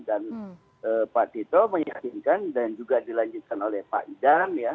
dan pak tito meyakinkan dan juga dilanjutkan oleh pak idam ya